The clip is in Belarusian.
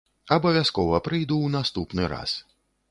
Абавязкова прыйду ў наступны раз.